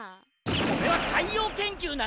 これは海洋研究なんだぞ！